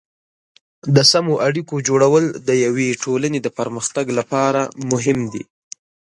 د سمو اړیکو جوړول د یوې ټولنې د پرمختګ لپاره مهم دي.